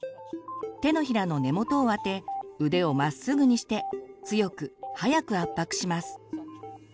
手のひらの根元を当て腕をまっすぐにして強く早く圧迫します。